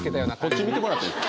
こっち見てもらっていい？